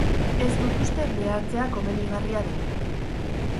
Ez dut uste behartzea komenigarria denik.